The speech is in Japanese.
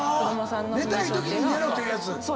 寝たいときに寝ろというやつ。